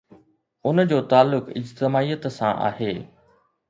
ان جو تعلق اجتماعيت سان آهي.